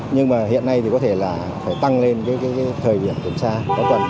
nhưng mà hiện nay thì có thể là phải tăng lên cái thời điểm kiểm tra